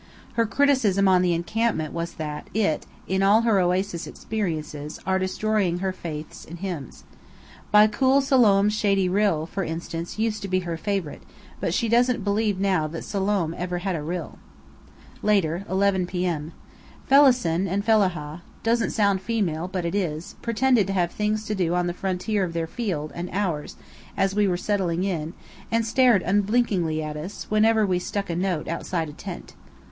Her criticism on the encampment was that it, and all her oasis experiences, are destroying her faith in hymns. "By cool Siloam's Shady Rill," for instance, used to be her favourite, but she doesn't believe now that Siloam ever had a rill. Later: 11 p. m. Fallahcen and Fellahah (doesn't sound female, but is) pretended to have things to do on the frontier of their field and ours, as we were settling in, and stared unblinkingly at us, whenever we stuck a nose outside a tent.